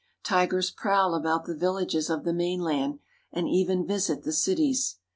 Tigers prowl about the villages of the mainland and even visit the cities.